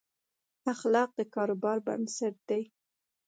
اخلاق د کاروبار بنسټ دي.